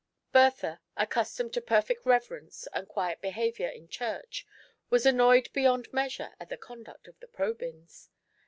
Bertha, accustomed to perfect reverence and quiet behaviour in church, was annoyed beyond measure at the conduct of the Probyns.